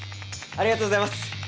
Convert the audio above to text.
ありがとうございます！